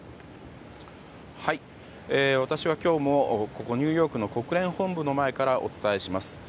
私は今日もここニューヨークの国連本部の前からお伝えします。